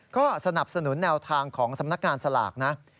ก็สนับสนุนแนวทางของสำนักงานสลากนะ